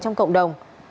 trong cộng đồng